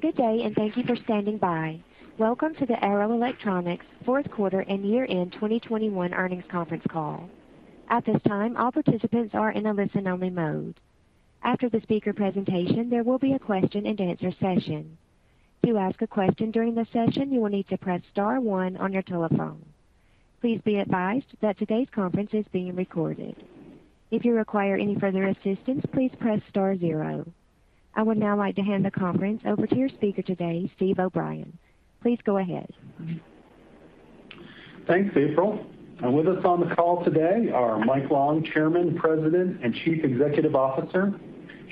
Good day, and thank you for standing by. Welcome to the Arrow Electronics Fourth Quarter and Year End 2021 Earnings Conference Call. At this time, all participants are in a listen-only mode. After the speaker presentation, there will be a question-and-answer session. To ask a question during the session, you will need to press star one on your telephone. Please be advised that today's conference is being recorded. If you require any further assistance, please press star zero. I would now like to hand the conference over to your speaker today, Steve O'Brien. Please go ahead. Thanks, April. With us on the call today are Mike Long, Chairman, President, and Chief Executive Officer,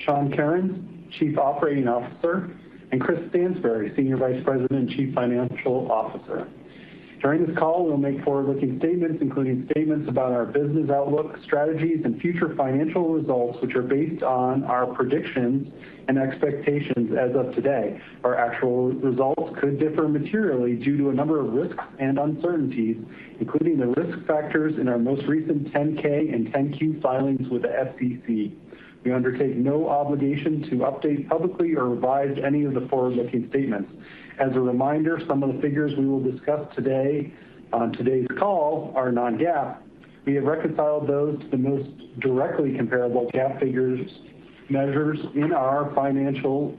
Sean Kerins, Chief Operating Officer, and Chris Stansbury, Senior Vice President and Chief Financial Officer. During this call, we'll make forward-looking statements, including statements about our business outlook, strategies, and future financial results, which are based on our predictions and expectations as of today. Our actual results could differ materially due to a number of risks and uncertainties, including the risk factors in our most recent 10-K and 10-Q filings with the SEC. We undertake no obligation to update publicly or revise any of the forward-looking statements. As a reminder, some of the figures we will discuss today on today's call are non-GAAP. We have reconciled those to the most directly comparable GAAP figures or measures in our financial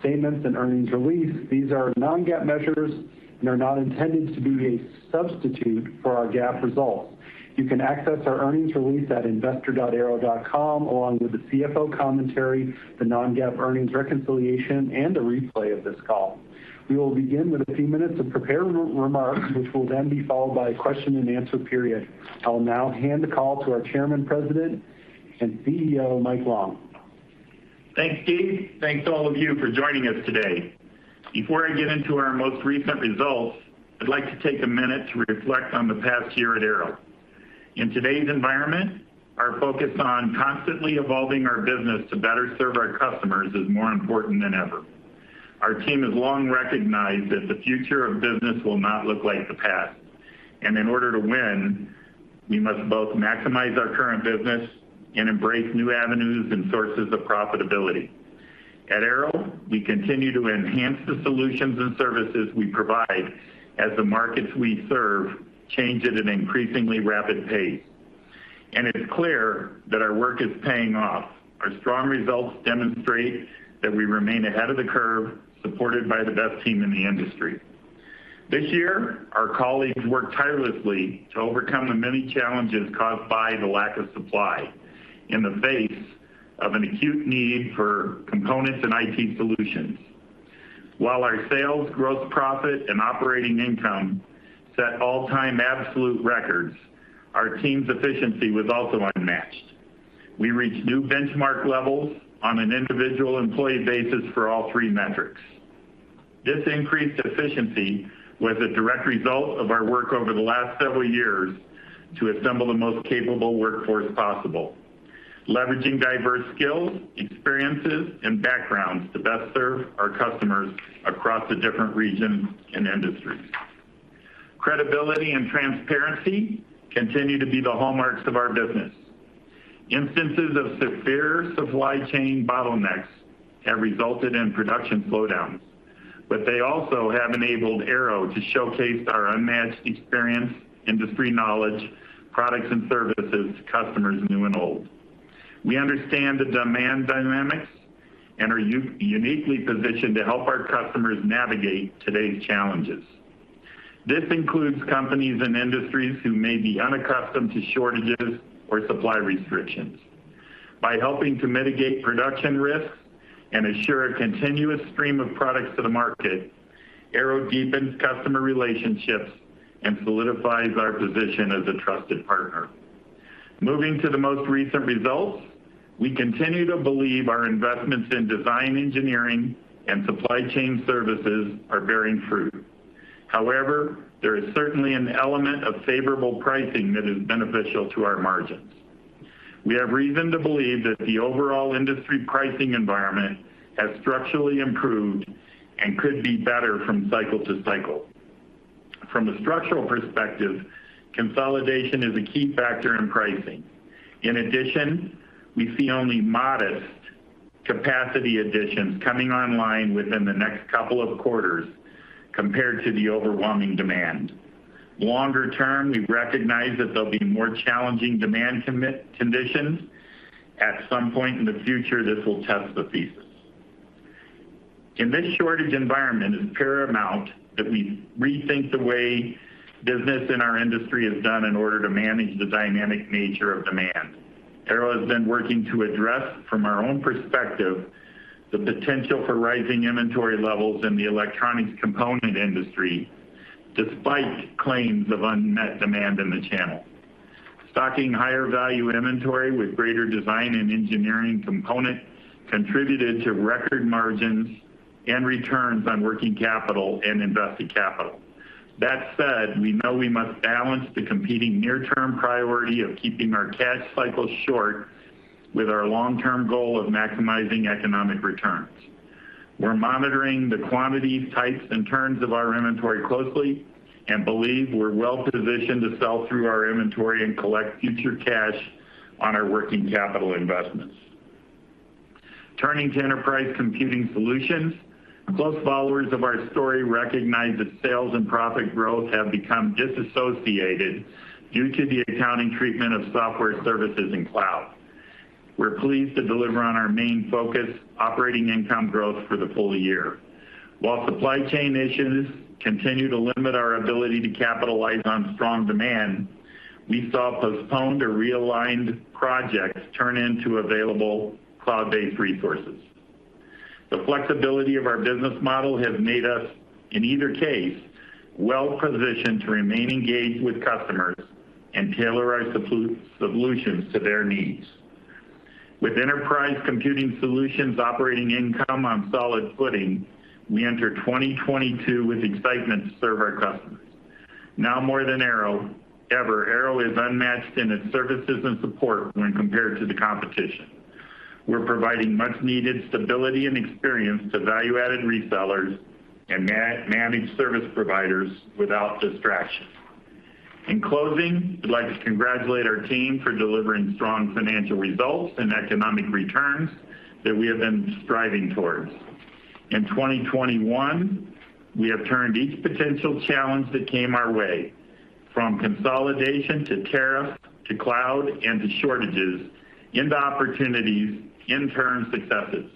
statements and earnings release. These are non-GAAP measures and are not intended to be a substitute for our GAAP results. You can access our earnings release at investor.arrow.com, along with the CFO commentary, the non-GAAP earnings reconciliation, and a replay of this call. We will begin with a few minutes of prepared remarks, which will then be followed by a question-and-answer period. I will now hand the call to our Chairman, President, and CEO, Mike Long. Thanks, Steve. Thanks to all of you for joining us today. Before I get into our most recent results, I'd like to take a minute to reflect on the past year at Arrow. In today's environment, our focus on constantly evolving our business to better serve our customers is more important than ever. Our team has long recognized that the future of business will not look like the past, and in order to win, we must both maximize our current business and embrace new avenues and sources of profitability. At Arrow, we continue to enhance the solutions and services we provide as the markets we serve change at an increasingly rapid pace. It's clear that our work is paying off. Our strong results demonstrate that we remain ahead of the curve, supported by the best team in the industry. This year, our colleagues worked tirelessly to overcome the many challenges caused by the lack of supply in the face of an acute need for components and IT solutions. While our sales, gross profit, and operating income set all-time absolute records, our team's efficiency was also unmatched. We reached new benchmark levels on an individual employee basis for all three metrics. This increased efficiency was a direct result of our work over the last several years to assemble the most capable workforce possible, leveraging diverse skills, experiences, and backgrounds to best serve our customers across the different regions and industries. Credibility and transparency continue to be the hallmarks of our business. Instances of severe supply chain bottlenecks have resulted in production slowdowns, but they also have enabled Arrow to showcase our unmatched experience, industry knowledge, products and services to customers, new and old. We understand the demand dynamics and are uniquely positioned to help our customers navigate today's challenges. This includes companies and industries who may be unaccustomed to shortages or supply restrictions. By helping to mitigate production risks and assure a continuous stream of products to the market, Arrow deepens customer relationships and solidifies our position as a trusted partner. Moving to the most recent results, we continue to believe our investments in design engineering and supply chain services are bearing fruit. However, there is certainly an element of favorable pricing that is beneficial to our margins. We have reason to believe that the overall industry pricing environment has structurally improved and could be better from cycle to cycle. From a structural perspective, consolidation is a key factor in pricing. In addition, we see only modest capacity additions coming online within the next couple of quarters compared to the overwhelming demand. Longer term, we recognize that there'll be more challenging demand conditions coming. At some point in the future, this will test the thesis. In this shortage environment, it's paramount that we rethink the way business in our industry is done in order to manage the dynamic nature of demand. Arrow has been working to address, from our own perspective, the potential for rising inventory levels in the electronics components industry, despite claims of unmet demand in the channel. Stocking higher value inventory with greater design and engineering components contributed to record margins and returns on working capital and invested capital. That said, we know we must balance the competing near-term priority of keeping our cash cycles short with our long-term goal of maximizing economic returns. We're monitoring the quantities, types, and turns of our inventory closely and believe we're well positioned to sell through our inventory and collect future cash on our working capital investments. Turning to Enterprise Computing Solutions, close followers of our story recognize that sales and profit growth have become disassociated due to the accounting treatment of software services in cloud. We're pleased to deliver on our main focus, operating income growth for the full year. While supply chain issues continue to limit our ability to capitalize on strong demand, we saw postponed or realigned projects turn into available cloud-based resources. The flexibility of our business model has made us, in either case, well-positioned to remain engaged with customers and tailor our solutions to their needs. With Enterprise Computing Solutions operating income on solid footing, we enter 2022 with excitement to serve our customers. Now more than ever, Arrow is unmatched in its services and support when compared to the competition. We're providing much-needed stability and experience to value-added resellers and managed service providers without distraction. In closing, we'd like to congratulate our team for delivering strong financial results and economic returns that we have been striving towards. In 2021, we have turned each potential challenge that came our way, from consolidation to tariff to cloud and to shortages into opportunities, in turn, successes.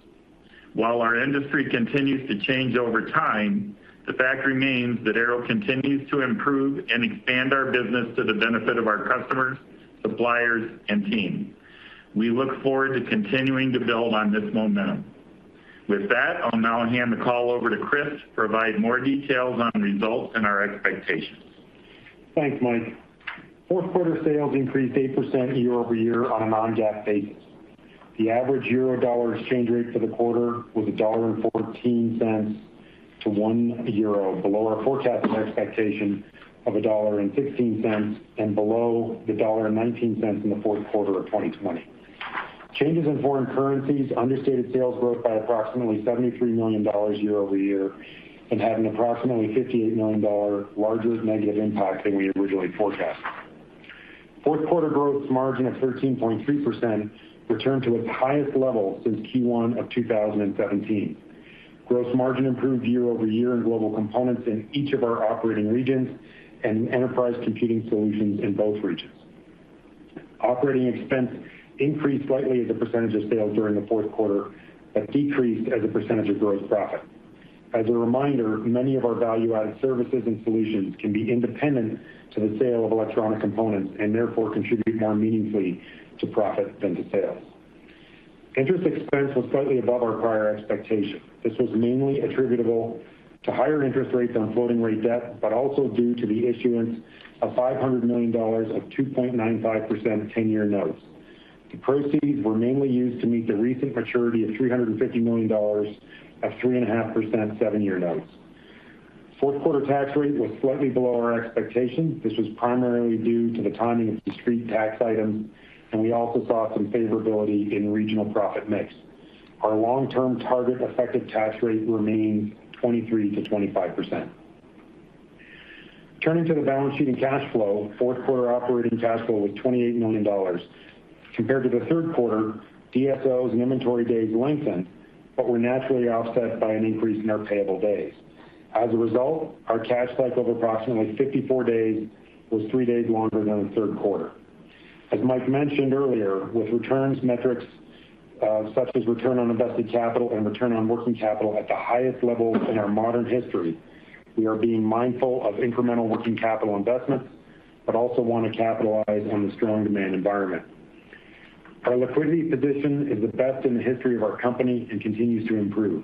While our industry continues to change over time, the fact remains that Arrow continues to improve and expand our business to the benefit of our customers, suppliers, and team. We look forward to continuing to build on this momentum. With that, I'll now hand the call over to Chris to provide more details on results and our expectations. Thanks, Mike. Fourth quarter sales increased 8% year-over-year on a non-GAAP basis. The average euro dollar exchange rate for the quarter was $1.14 to 1 euro, below our forecast and expectation of $1.16 and below the $1.19 in the fourth quarter of 2020. Changes in foreign currencies understated sales growth by approximately $73 million year-over-year and had an approximately $58 million larger negative impact than we originally forecasted. Fourth quarter gross margin of 13.3% returned to its highest level since Q1 of 2017. Gross margin improved year-over-year in Global Components in each of our operating regions and Enterprise Computing Solutions in both regions. Operating expense increased slightly as a percentage of sales during the fourth quarter, but decreased as a percentage of gross profit. As a reminder, many of our value-added services and solutions can be independent to the sale of electronic components and therefore contribute more meaningfully to profit than to sales. Interest expense was slightly above our prior expectation. This was mainly attributable to higher interest rates on floating rate debt, but also due to the issuance of $500 million of 2.95% 10-year notes. The proceeds were mainly used to meet the recent maturity of $350 million of 3.5% seven-year notes. Fourth quarter tax rate was slightly below our expectation. This was primarily due to the timing of discrete tax items, and we also saw some favorability in regional profit mix. Our long-term target effective tax rate remains 23%-25%. Turning to the balance sheet and cash flow, fourth quarter operating cash flow was $28 million. Compared to the third quarter, DSOs and inventory days lengthened, but were naturally offset by an increase in our payable days. As a result, our cash cycle of approximately 54 days was three days longer than the third quarter. As Mike mentioned earlier, with returns metrics, such as return on invested capital and return on working capital at the highest levels in our modern history, we are being mindful of incremental working capital investments, but also wanna capitalize on the strong demand environment. Our liquidity position is the best in the history of our company and continues to improve.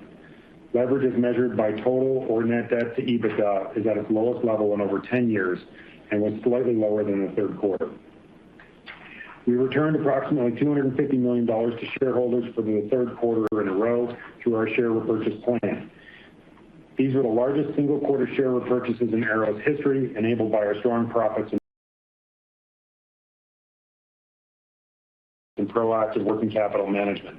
Leverage, measured by total or net debt to EBITDA, is at its lowest level in over 10 years and was slightly lower than the third quarter. We returned approximately $250 million to shareholders for the third quarter in a row through our share repurchase plan. These are the largest single quarter share repurchases in Arrow's history, enabled by our strong profits and proactive working capital management.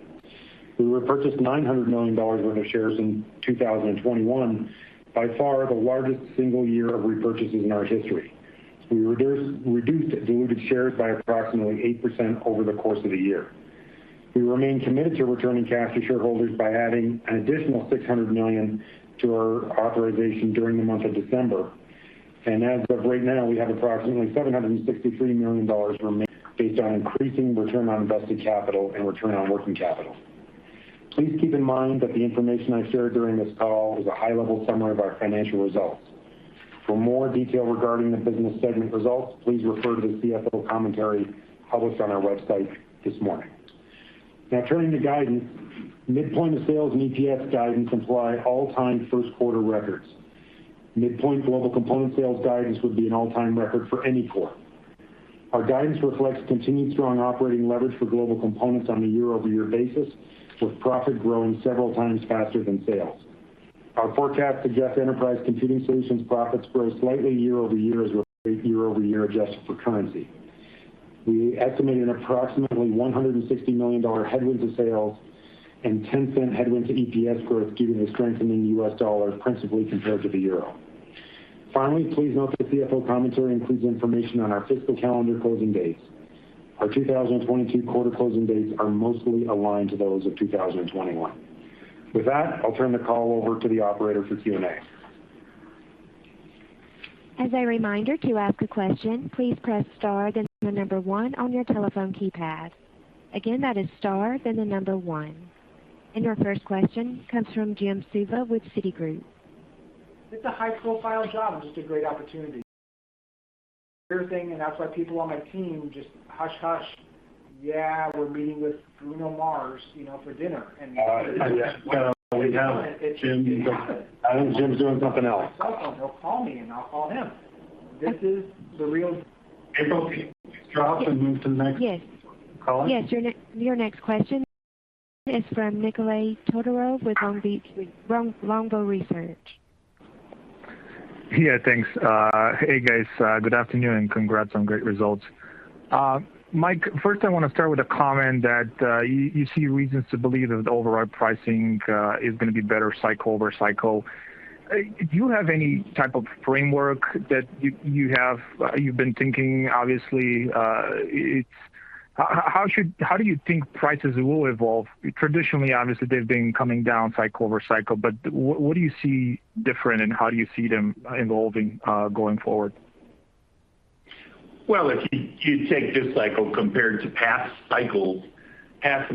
We repurchased $900 million worth of shares in 2021, by far the largest single year of repurchases in our history. We reduced diluted shares by approximately 8% over the course of the year. We remain committed to returning cash to shareholders by adding an additional $600 million to our authorization during the month of December. As of right now, we have approximately $763 million remain based on increasing return on invested capital and return on working capital. Please keep in mind that the information I've shared during this call is a high-level summary of our financial results. For more detail regarding the business segment results, please refer to the CFO commentary published on our website this morning. Now turning to guidance. Midpoint of sales and EPS guidance imply all-time first quarter records. Midpoint Global Components sales guidance would be an all-time record for any quarter. Our guidance reflects continued strong operating leverage for Global Components on a year-over-year basis, with profit growing several times faster than sales. Our forecast suggests Enterprise Computing Solutions profits grow slightly year-over-year as reflected year-over-year adjusted for currency. We estimate an approximately $160 million headwind to sales and 10-cent headwind to EPS growth due to the strengthening U.S. dollar principally compared to the euro. Finally, please note the CFO commentary includes information on our fiscal calendar closing dates. Our 2022 quarter closing dates are mostly aligned to those of 2021. With that, I'll turn the call over to the operator for Q&A. Your first question comes from Jim Suva with Citigroup. It's a high-profile job and just a great opportunity. Weird thing, that's why people on my team just hush-hush. Yeah, we're meeting with Bruno Mars, you know, for dinner. It's like. All right. Yeah. We have it. Jim, I think Jim's doing something else. my cell phone. He'll call me, and I'll call him. This is the real- April, can you drop and move to the next caller? Yes. Yes. Your next question is from Nikolay Todorov with Longbow Research. Yeah, thanks. Hey, guys. Good afternoon, and congrats on great results. Mike, first I wanna start with a comment that you see reasons to believe that the overall pricing is gonna be better cycle over cycle. Do you have any type of framework that you've been thinking obviously? How do you think prices will evolve? Traditionally, obviously, they've been coming down cycle over cycle, but what do you see different, and how do you see them evolving going forward? Well, if you take this cycle compared to past cycles, past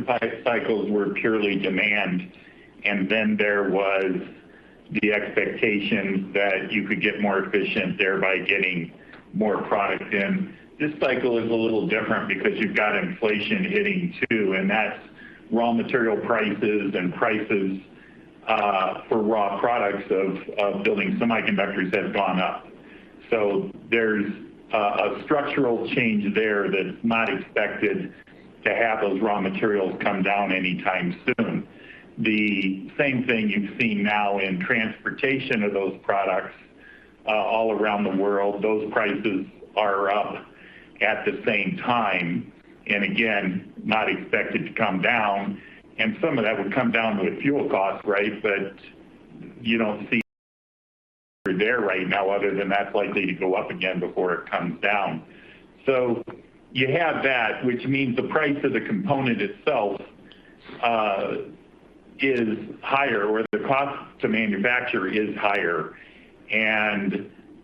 cycles were purely demand, and then there was the expectation that you could get more efficient, thereby getting more product in. This cycle is a little different because you've got inflation hitting too, and that's raw material prices and prices for raw products of building semiconductors has gone up. There's a structural change there that's not expected to have those raw materials come down anytime soon. The same thing you've seen now in transportation of those products all around the world. Those prices are up at the same time, and again, not expected to come down, and some of that would come down with fuel costs, right? You don't see there right now, other than that's likely to go up again before it comes down. You have that, which means the price of the component itself is higher, or the cost to manufacture is higher.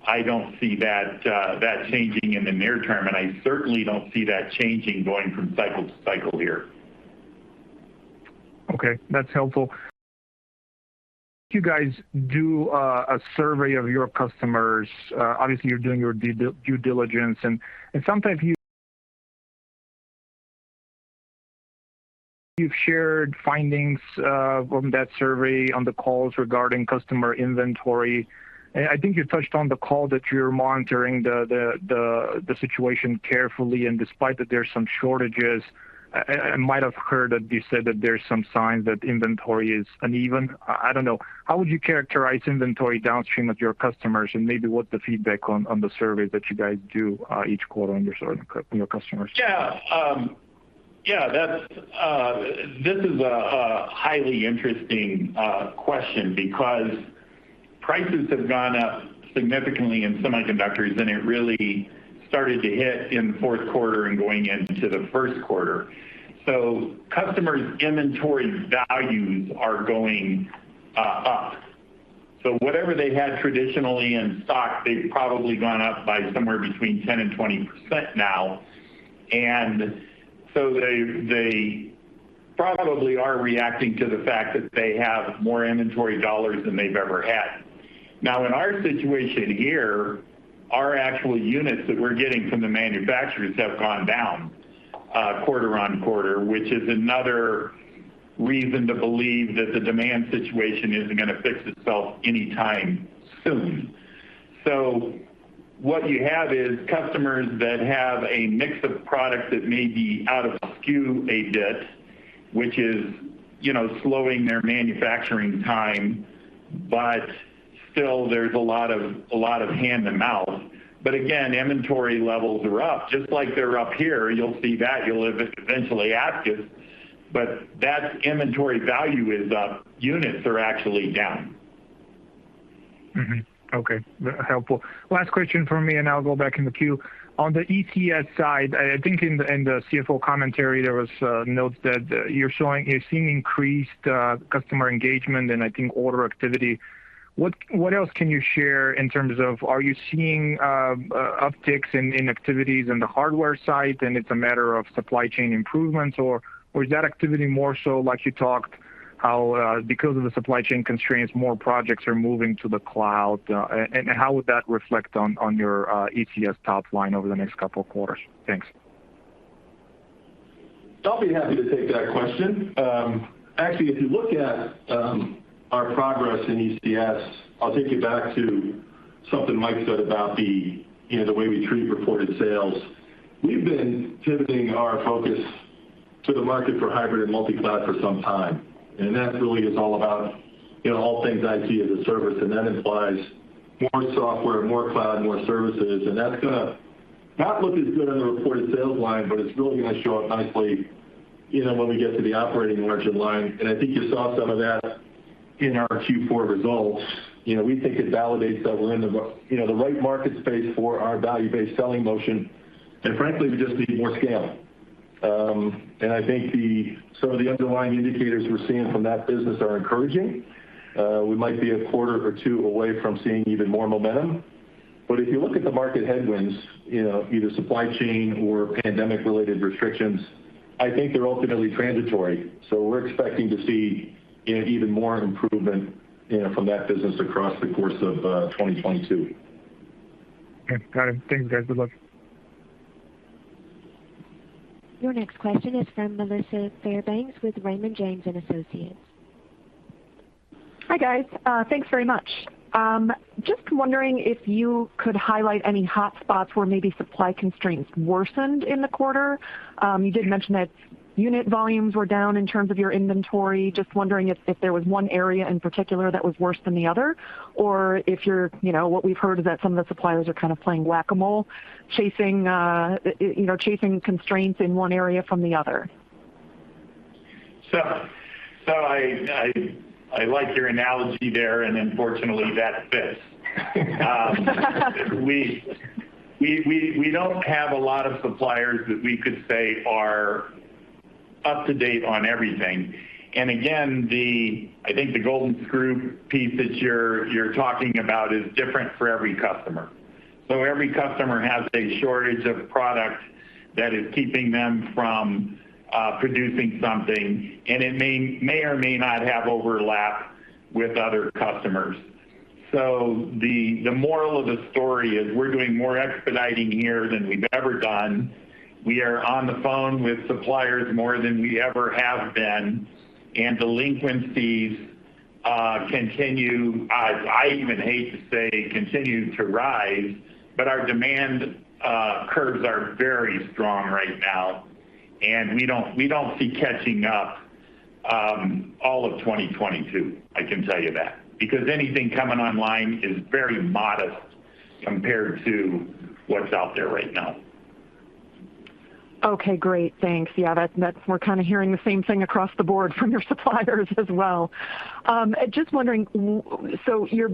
I don't see that changing in the near term, and I certainly don't see that changing going from cycle to cycle here. Okay. That's helpful. You guys do a survey of your customers. Obviously you're doing your due diligence and sometimes you've shared findings from that survey on the calls regarding customer inventory. I think you touched on the call that you're monitoring the situation carefully, and despite that there's some shortages, I might have heard that you said that there's some signs that inventory is uneven. I don't know. How would you characterize inventory downstream with your customers, and maybe what the feedback on the surveys that you guys do each quarter on your customers? That's a highly interesting question because prices have gone up significantly in semiconductors, and it really started to hit in the fourth quarter and going into the first quarter. Customers' inventory values are going up. Whatever they had traditionally in stock, they've probably gone up by somewhere between 10%-20% now. They probably are reacting to the fact that they have more inventory dollars than they've ever had. Now, in our situation here, our actual units that we're getting from the manufacturers have gone down quarter-over-quarter, which is another reason to believe that the demand situation isn't gonna fix itself anytime soon. What you have is customers that have a mix of products that may be out of skew a bit, which is, you know, slowing their manufacturing time, but still there's a lot of hand-to-mouth. Again, inventory levels are up, just like they're up here. You'll see that. You'll eventually ask us, but that inventory value is up. Units are actually down. Okay. Helpful. Last question from me, and I'll go back in the queue. On the ECS side, I think in the CFO commentary, there was notes that you're seeing increased customer engagement and I think order activity. What else can you share in terms of are you seeing upticks in activities in the hardware side, and it's a matter of supply chain improvements? Or was that activity more so, like you talked, how because of the supply chain constraints, more projects are moving to the cloud? And how would that reflect on your ECS top line over the next couple of quarters? Thanks. I'll be happy to take that question. Actually, if you look at our progress in ECS, I'll take you back to something Mike said about the, you know, the way we treat reported sales. We've been pivoting our focus to the market for hybrid and multi-cloud for some time, and that really is all about, you know, all things IT as a service, and that implies more software, more cloud, more services, and that's gonna not look as good on the reported sales line, but it's really gonna show up nicely. You know, when we get to the operating margin line, and I think you saw some of that in our Q4 results, you know, we think it validates that we're in the right market space for our value-based selling motion. Frankly, we just need more scale. I think some of the underlying indicators we're seeing from that business are encouraging. We might be a quarter or two away from seeing even more momentum. If you look at the market headwinds, you know, either supply chain or pandemic-related restrictions, I think they're ultimately transitory. We're expecting to see, you know, even more improvement, you know, from that business across the course of 2022. Okay. Got it. Thanks, guys. Good luck. Your next question is from Melissa Fairbanks with Raymond James & Associates. Hi, guys. Thanks very much. Just wondering if you could highlight any hotspots where maybe supply constraints worsened in the quarter. You did mention that unit volumes were down in terms of your inventory. Just wondering if there was one area in particular that was worse than the other, or if you're you know, what we've heard is that some of the suppliers are kind of playing Whac-A-Mole, chasing, you know, chasing constraints in one area from the other. I like your analogy there, and unfortunately, that fits. We don't have a lot of suppliers that we could say are up to date on everything. Again, I think the golden screw piece that you're talking about is different for every customer. Every customer has a shortage of product that is keeping them from producing something, and it may or may not have overlap with other customers. The moral of the story is we're doing more expediting here than we've ever done. We are on the phone with suppliers more than we ever have been, and delinquencies continue, I even hate to say, continue to rise, but our demand curves are very strong right now, and we don't see catching up all of 2022, I can tell you that. Because anything coming online is very modest compared to what's out there right now. Okay. Great. Thanks. Yeah, that's we're kinda hearing the same thing across the board from your suppliers as well. Just wondering, so you're...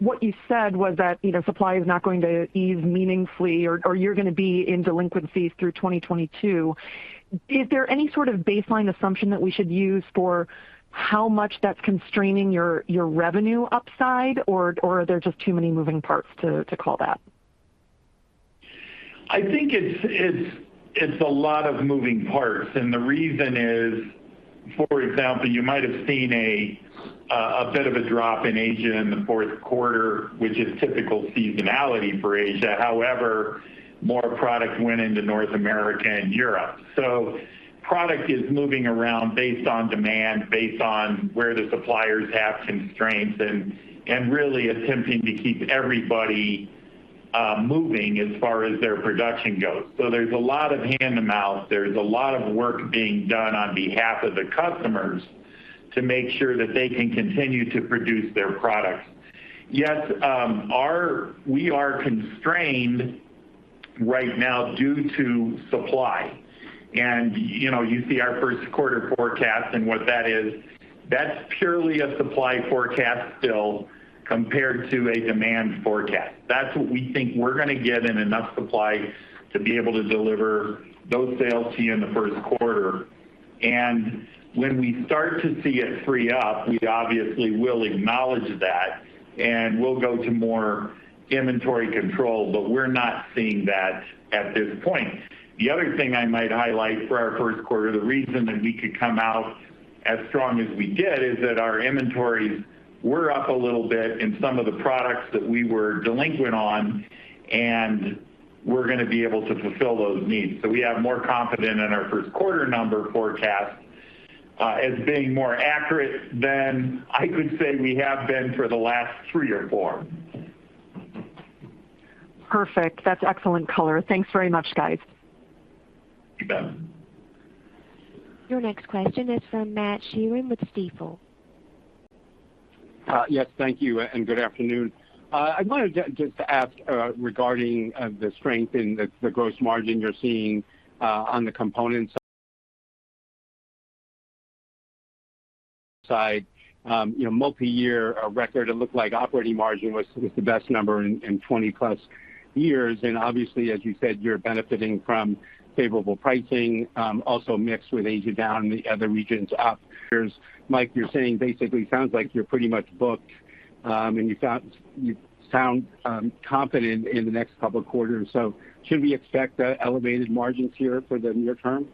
What you said was that, you know, supply is not going to ease meaningfully or you're gonna be in delinquencies through 2022. Is there any sort of baseline assumption that we should use for how much that's constraining your revenue upside, or are there just too many moving parts to call that? I think it's a lot of moving parts. The reason is, for example, you might have seen a bit of a drop in Asia in the fourth quarter, which is typical seasonality for Asia. However, more product went into North America and Europe. Product is moving around based on demand, based on where the suppliers have constraints and really attempting to keep everybody moving as far as their production goes. There's a lot of hand-to-mouth. There's a lot of work being done on behalf of the customers to make sure that they can continue to produce their products. Yes, we are constrained right now due to supply. You know, you see our first quarter forecast and what that is. That's purely a supply forecast still compared to a demand forecast. That's what we think we're gonna get in enough supply to be able to deliver those sales to you in the first quarter. When we start to see it free up, we obviously will acknowledge that, and we'll go to more inventory control, but we're not seeing that at this point. The other thing I might highlight for our first quarter, the reason that we could come out as strong as we did, is that our inventories were up a little bit in some of the products that we were delinquent on, and we're gonna be able to fulfill those needs. We have more confidence in our first quarter number forecast, as being more accurate than I could say we have been for the last three or four. Perfect. That's excellent color. Thanks very much, guys. You bet. Your next question is from Matt Sheerin with Stifel. Yes, thank you, and good afternoon. I wanted just to ask regarding the strength in the gross margin you're seeing on the component side. You know, multiyear record, it looked like operating margin was the best number in 20+ years. Obviously, as you said, you're benefiting from favorable pricing, also mixed with Asia down and the other regions up. Mike, you're saying basically sounds like you're pretty much booked, and you sound confident in the next couple of quarters. So should we expect elevated margins here for the near term?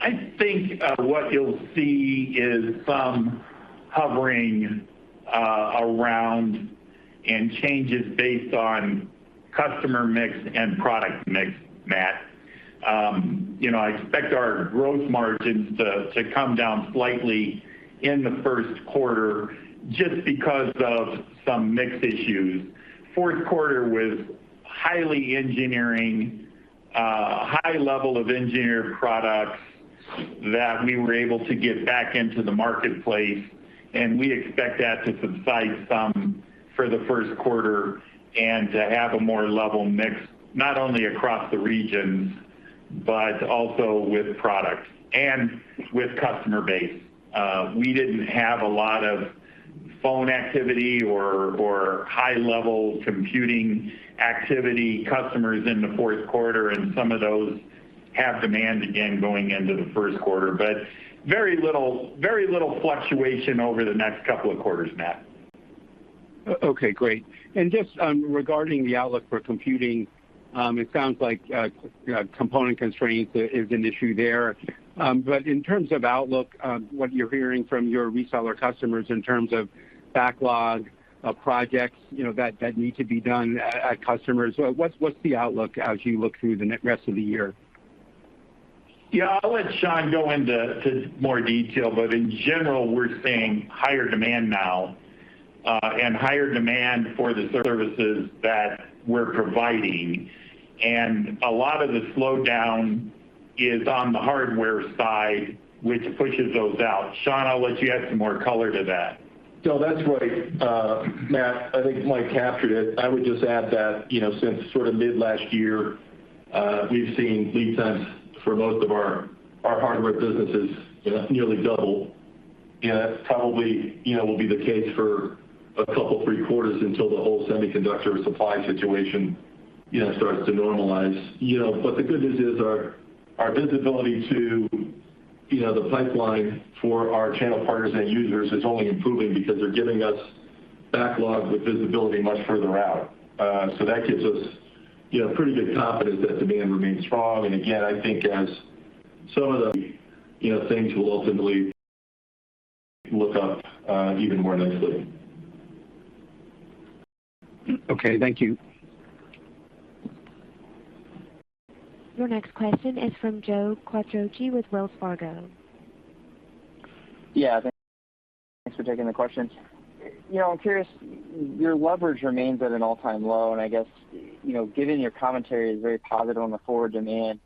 I think what you'll see is some hovering around and changes based on customer mix and product mix, Matt. You know, I expect our gross margins to come down slightly in the first quarter just because of some mix issues. Fourth quarter was highly engineered, a high level of engineered products that we were able to get back into the marketplace, and we expect that to subside some for the first quarter and to have a more level mix, not only across the regions, but also with products and with customer base. We didn't have a lot of phone activity or high-level computing activity customers in the fourth quarter, and some of those have demand again going into the first quarter. Very little fluctuation over the next couple of quarters, Matt. Okay, great. Just regarding the outlook for computing, it sounds like component constraints is an issue there. In terms of outlook, what you're hearing from your reseller customers in terms of backlog of projects, you know, that need to be done at customers, what's the outlook as you look through the rest of the year? Yeah, I'll let Sean go into more detail, but in general, we're seeing higher demand now and higher demand for the services that we're providing. A lot of the slowdown is on the hardware side, which pushes those out. Sean, I'll let you add some more color to that. That's right, Matt, I think Mike captured it. I would just add that, you know, since sort of mid-last year, we've seen lead times for most of our hardware businesses, you know, nearly double. That's probably, you know, will be the case for a couple, three quarters until the whole semiconductor supply situation, you know, starts to normalize. The good news is our visibility to, you know, the pipeline for our channel partners and end users is only improving because they're giving us backlog with visibility much further out. That gives us, you know, pretty good confidence that demand remains strong. Again, I think as some of the, you know, things will ultimately look up, even more nicely. Okay, thank you. Your next question is from Joseph Quatrochi with Wells Fargo. Yeah. Thanks for taking the questions. You know, I'm curious, your leverage remains at an all-time low, and I guess, you know, given your commentary is very positive on the forward demand,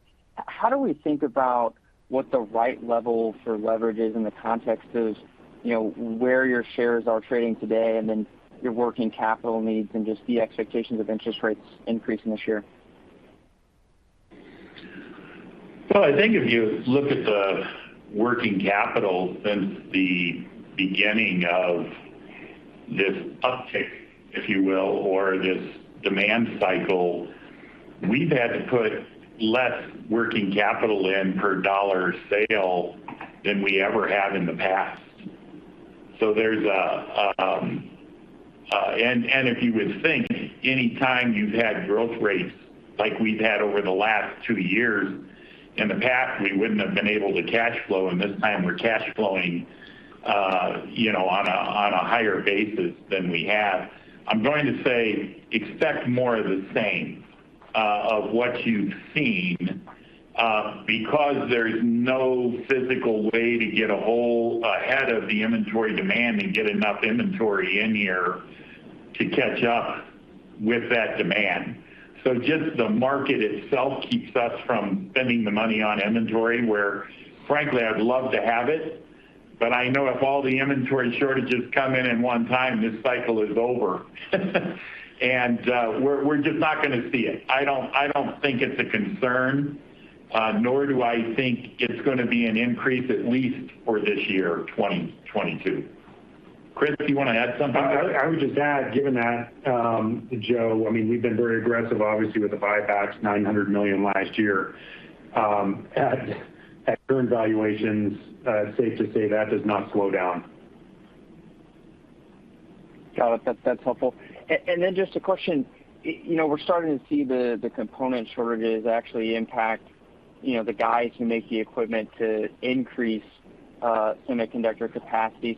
how do we think about what the right level for leverage is in the context of, you know, where your shares are trading today and then your working capital needs and just the expectations of interest rates increasing this year? Well, I think if you look at the working capital since the beginning of this uptick, if you will, or this demand cycle, we've had to put less working capital in per dollar sale than we ever have in the past. If you would think any time you've had growth rates like we've had over the last two years, in the past, we wouldn't have been able to cash flow, and this time we're cash flowing, you know, on a higher basis than we have. I'm going to say expect more of the same, of what you've seen, because there's no physical way to get ahead of the whole inventory demand and get enough inventory in here to catch up with that demand. Just the market itself keeps us from spending the money on inventory, where frankly, I'd love to have it, but I know if all the inventory shortages come in in one time, this cycle is over. We're just not gonna see it. I don't think it's a concern, nor do I think it's gonna be an increase, at least for this year, 2022. Chris, do you wanna add something? I would just add, given that, Joe, I mean, we've been very aggressive, obviously, with the buybacks, $900 million last year, at current valuations, it's safe to say that does not slow down. Got it. That's helpful. Just a question, you know, we're starting to see the component shortages actually impact, you know, the guys who make the equipment to increase semiconductor capacity.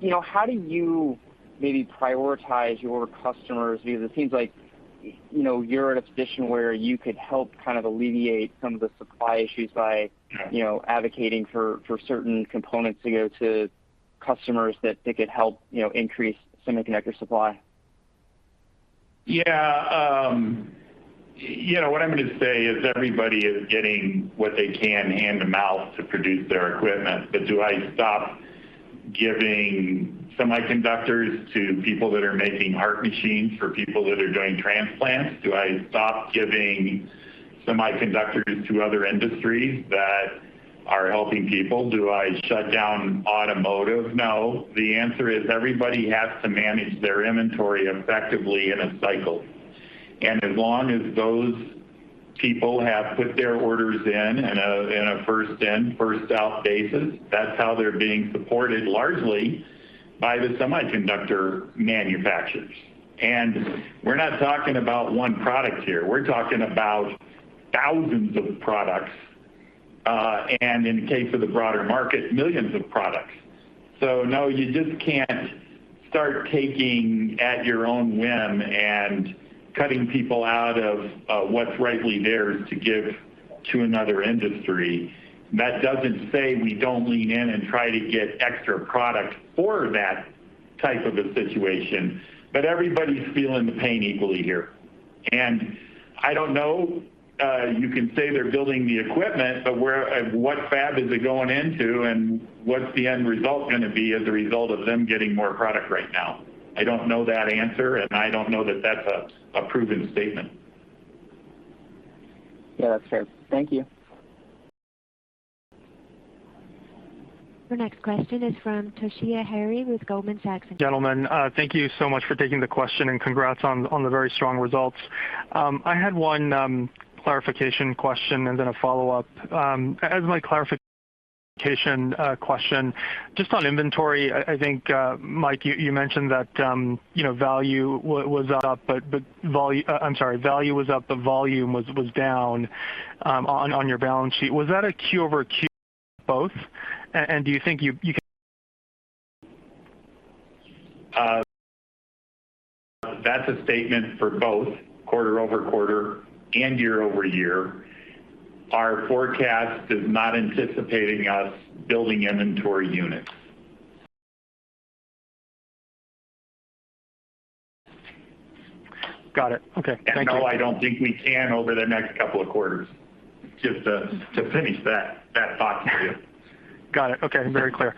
You know, how do you maybe prioritize your customers? Because it seems like, you know, you're in a position where you could help kind of alleviate some of the supply issues by- Yeah. You know, advocating for certain components to go to customers that they could help, you know, increase semiconductor supply. Yeah. You know, what I'm gonna say is everybody is getting what they can hand to mouth to produce their equipment. Do I stop giving semiconductors to people that are making heart machines for people that are doing transplants? Do I stop giving semiconductors to other industries that are helping people? Do I shut down automotive? No. The answer is everybody has to manage their inventory effectively in a cycle. As long as those people have put their orders in a first in, first out basis, that's how they're being supported largely by the semiconductor manufacturers. We're not talking about one product here. We're talking about thousands of products, and in the case of the broader market, millions of products. No, you just can't start taking at your own whim and cutting people out of what's rightly theirs to give to another industry. That doesn't say we don't lean in and try to get extra product for that type of a situation, but everybody's feeling the pain equally here. I don't know, you can say they're building the equipment, but where? What fab is it going into and what's the end result gonna be as a result of them getting more product right now? I don't know that answer, and I don't know that that's a proven statement. Yeah, that's fair. Thank you. Your next question is from Toshiya Hari with Goldman Sachs. Gentlemen, thank you so much for taking the question, and congrats on the very strong results. I had one clarification question and then a follow-up. As my clarification question, just on inventory, I think, Mike, you mentioned that, you know, value was up, but volume was down on your balance sheet. Was that a Q over Q both? And do you think you can- That's a statement for both quarter-over-quarter and year-over-year. Our forecast is not anticipating us building inventory units. Got it. Okay. Thank you. No, I don't think we can over the next couple of quarters, just to finish that thought for you. Got it. Okay. Very clear.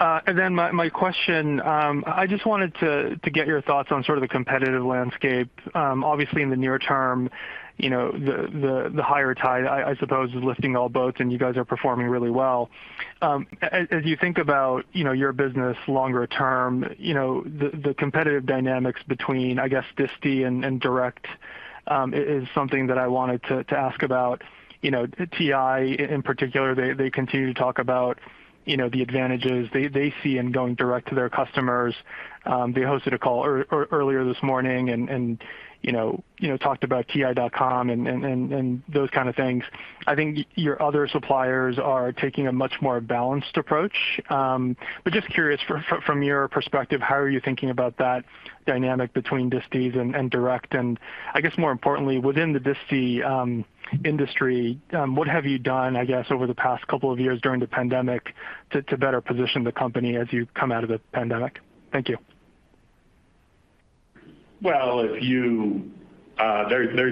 My question, I just wanted to get your thoughts on sort of the competitive landscape. Obviously in the near term, you know, the higher tide I suppose is lifting all boats and you guys are performing really well. As you think about, you know, your business longer term, you know, the competitive dynamics between, I guess, disti and direct, is something that I wanted to ask about. You know, TI in particular, they continue to talk about, you know, the advantages they see in going direct to their customers. They hosted a call earlier this morning and, you know, talked about ti.com and those kind of things. I think your other suppliers are taking a much more balanced approach. Just curious from your perspective, how are you thinking about that dynamic between distis and direct? I guess more importantly, within the disti industry, what have you done, I guess, over the past couple of years during the pandemic to better position the company as you come out of the pandemic? Thank you. Well, there's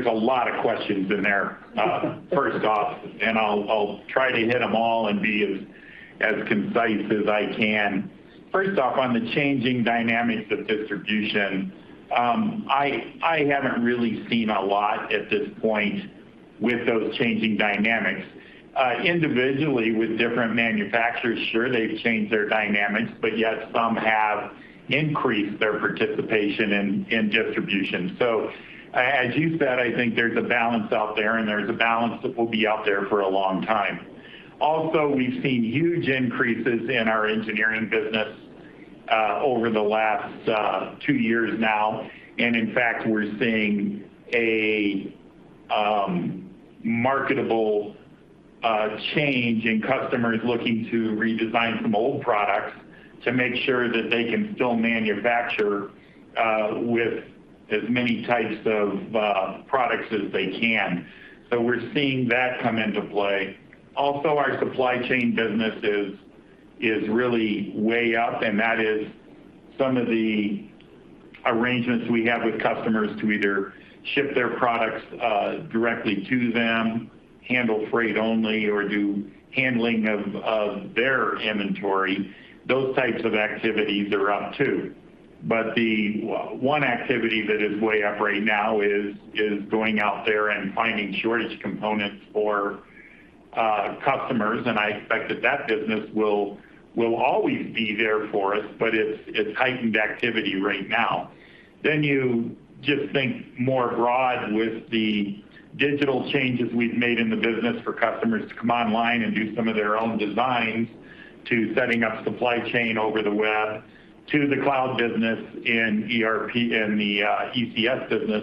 a lot of questions in there, first off, and I'll try to hit them all and be as concise as I can. First off, on the changing dynamics of distribution, I haven't really seen a lot at this point with those changing dynamics. Individually with different manufacturers, sure, they've changed their dynamics, but yet some have increased their participation in distribution. As you said, I think there's a balance out there and there's a balance that will be out there for a long time. Also, we've seen huge increases in our engineering business over the last two years now. In fact, we're seeing a marketable change in customers looking to redesign some old products to make sure that they can still manufacture with as many types of products as they can. We're seeing that come into play. Also, our supply chain business is really way up, and that is some of the arrangements we have with customers to either ship their products directly to them, handle freight only, or do handling of their inventory. Those types of activities are up too. The one activity that is way up right now is going out there and finding shortage components for customers, and I expect that business will always be there for us, but it's heightened activity right now. You just think more broad with the digital changes we've made in the business for customers to come online and do some of their own designs to setting up supply chain over the web to the cloud business in ERP, in the ECS business.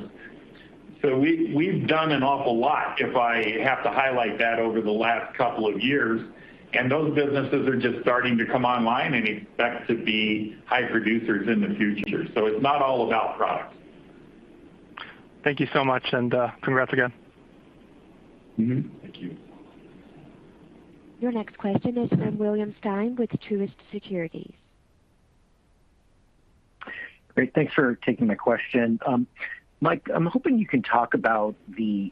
We've done an awful lot, if I have to highlight that over the last couple of years, and those businesses are just starting to come online and expect to be high producers in the future. It's not all about products. Thank you so much, and congrats again. Thank you. Your next question is from William Stein with Truist Securities. Great. Thanks for taking my question. Mike, I'm hoping you can talk about the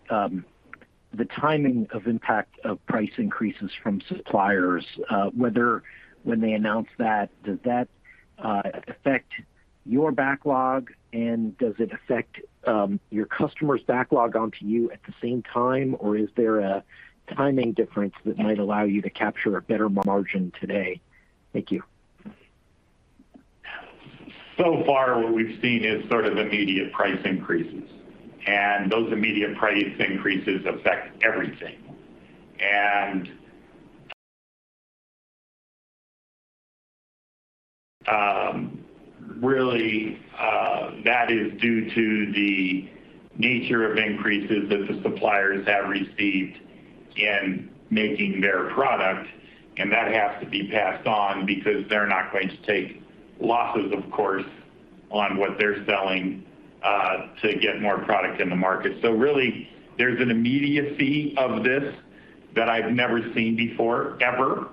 timing of impact of price increases from suppliers, whether when they announce that, does that affect your backlog, and does it affect your customers' backlog onto you at the same time, or is there a timing difference that might allow you to capture a better margin today? Thank you. So far, what we've seen is sort of immediate price increases, and those immediate price increases affect everything. Really, that is due to the nature of increases that the suppliers have received in making their product, and that has to be passed on because they're not going to take losses, of course, on what they're selling, to get more product in the market. Really there's an immediacy of this that I've never seen before, ever.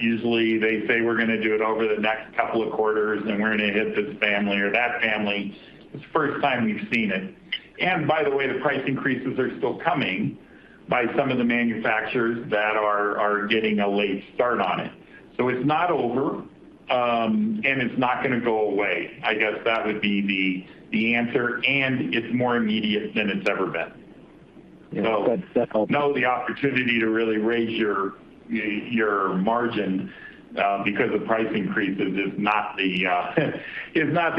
Usually they say we're gonna do it over the next couple of quarters, and we're gonna hit this family or that family. It's the first time we've seen it. By the way, the price increases are still coming by some of the manufacturers that are getting a late start on it. It's not over, and it's not gonna go away. I guess that would be the answer, and it's more immediate than it's ever been. Yeah. That's helpful. No, the opportunity to really raise your margin because of price increases is not the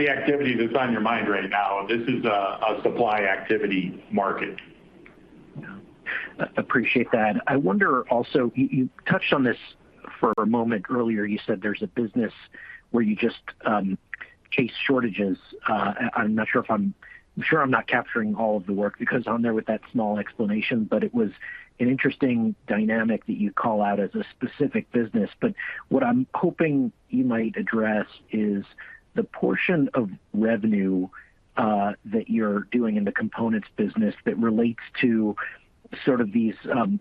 activity that's on your mind right now. This is a supply activity market. Appreciate that. I wonder also, you touched on this for a moment earlier. You said there's a business where you just chase shortages. I'm sure I'm not capturing all of the work because in there with that small explanation, but it was an interesting dynamic that you call out as a specific business. What I'm hoping you might address is the portion of revenue that you're doing in the components business that relates to sort of these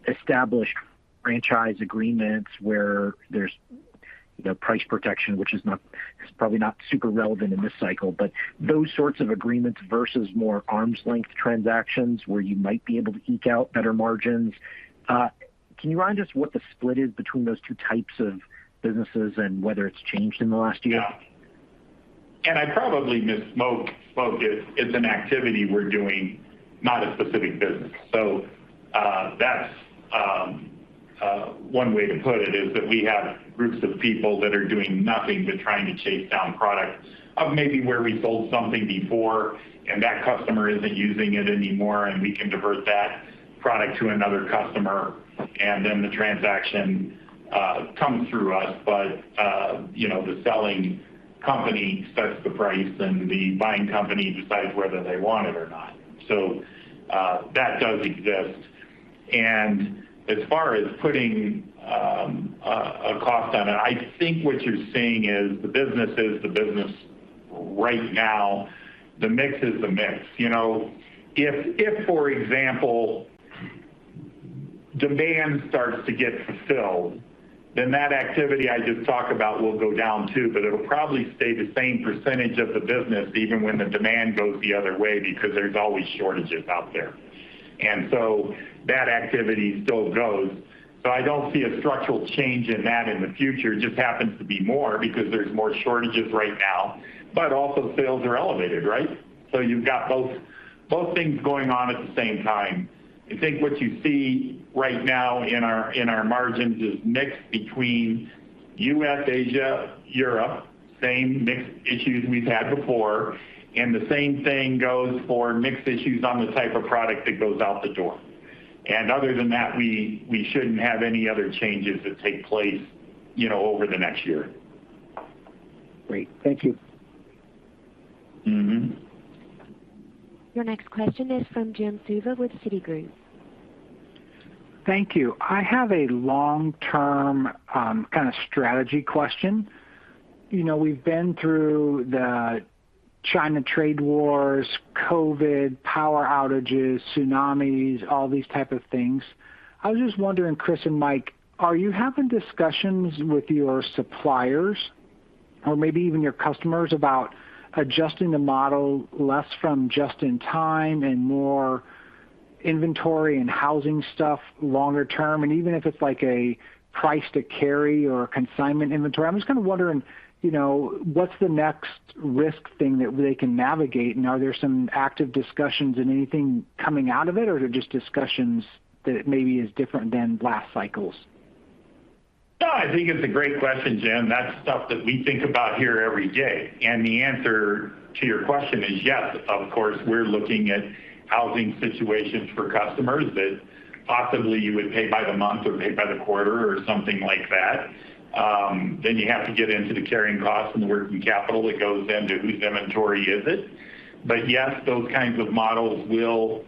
established franchise agreements where there's, you know, price protection, which is probably not super relevant in this cycle. Those sorts of agreements versus more arm's length transactions where you might be able to eke out better margins. Can you remind us what the split is between those two types of businesses and whether it's changed in the last year? Yeah. I probably misspoke. It's an activity we're doing, not a specific business. That's one way to put it, is that we have groups of people that are doing nothing but trying to chase down product or maybe where we sold something before and that customer isn't using it anymore, and we can divert that product to another customer, and then the transaction comes through us. You know, the selling company sets the price, and the buying company decides whether they want it or not. That does exist. As far as putting a cost on it, I think what you're seeing is the business is the business right now. The mix is the mix. You know, if for example, demand starts to get fulfilled, then that activity I just talked about will go down, too. It'll probably stay the same percentage of the business even when the demand goes the other way because there's always shortages out there. That activity still goes. I don't see a structural change in that in the future. It just happens to be more because there's more shortages right now, but also sales are elevated, right? You've got both things going on at the same time. I think what you see right now in our margins is mix between U.S., Asia, Europe, same mix issues we've had before. The same thing goes for mix issues on the type of product that goes out the door. Other than that, we shouldn't have any other changes that take place, you know, over the next year. Great. Thank you. Mm-hmm. Your next question is from Jim Suva with Citigroup. Thank you. I have a long-term, kind of strategy question. You know, we've been through the China trade wars, COVID, power outages, tsunamis, all these type of things. I was just wondering, Chris and Mike, are you having discussions with your suppliers or maybe even your customers about adjusting the model less from just in time and more inventory and housing stuff longer term? Even if it's like a price to carry or consignment inventory, I'm just kinda wondering, you know, what's the next risk thing that they can navigate? Are there some active discussions and anything coming out of it, or they're just discussions that maybe is different than last cycles? No, I think it's a great question, Jim. That's stuff that we think about here every day. The answer to your question is yes. Of course, we're looking at housing situations for customers that possibly you would pay by the month or pay by the quarter or something like that. You have to get into the carrying cost and the working capital that goes into whose inventory is it. Yes, those kinds of models will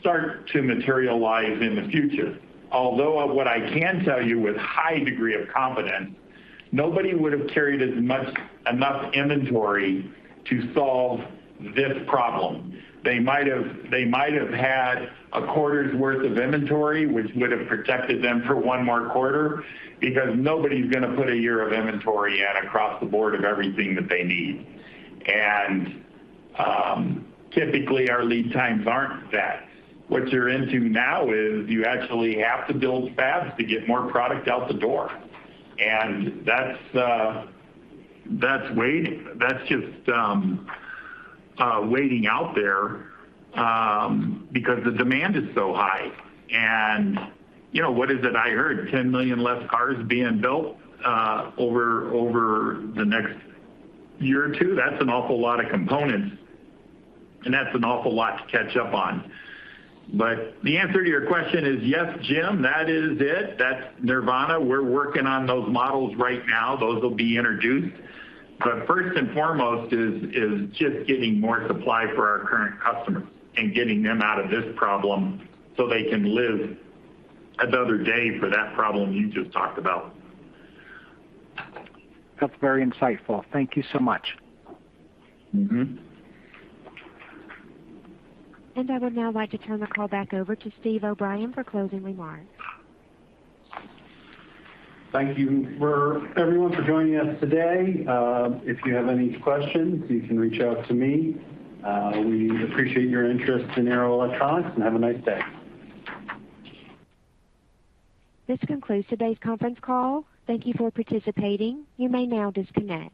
start to materialize in the future. Although what I can tell you with high degree of confidence, nobody would've carried enough inventory to solve this problem. They might have had a quarter's worth of inventory, which would've protected them for one more quarter because nobody's gonna put a year of inventory in across the board of everything that they need. Typically our lead times aren't that. What you're into now is you actually have to build fabs to get more product out the door. That's waiting. That's just waiting out there because the demand is so high. You know, what is it I heard? 10 million less cars being built over the next year or two. That's an awful lot of components, and that's an awful lot to catch up on. The answer to your question is yes, Jim, that is it. That's nirvana. We're working on those models right now. Those will be introduced. First and foremost is just getting more supply for our current customers and getting them out of this problem so they can live another day for that problem you just talked about. That's very insightful. Thank you so much. Mm-hmm. I would now like to turn the call back over to Steven O'Brien for closing remarks. Thank you for everyone for joining us today. If you have any questions, you can reach out to me. We appreciate your interest in Arrow Electronics and have a nice day. This concludes today's conference call. Thank you for participating. You may now disconnect.